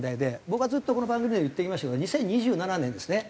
僕はずっとこの番組では言ってきましたけど２０２７年ですね。